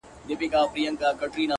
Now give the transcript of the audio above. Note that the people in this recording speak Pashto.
هغه په ژړا ستغ دی چي يې هيڅ نه ژړل-